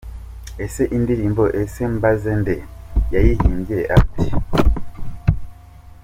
Ese indirimbo 'Ese Mbaze Nde' yayihimbye ate ?.